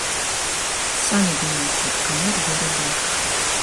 Самі думайце, каму веры больш.